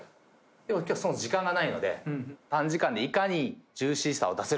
「でも今日はその時間がないので短時間でいかにジューシーさを出せるか」